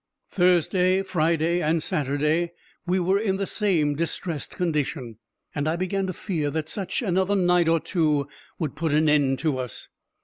Thursday, Friday, and Saturday, we were in the same distressed condition, and I began to fear that such another night or two would put an end to us.